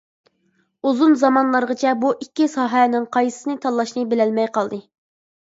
ئۇزۇن زامانلارغىچە بۇ ئىككى ساھەنىڭ قايسىسىنى تاللاشنى بىلەلمەي قالدى.